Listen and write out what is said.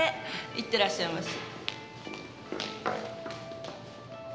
いってらっしゃいませ。